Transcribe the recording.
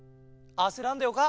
あせらんでよか。